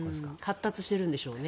発達しているんでしょうね。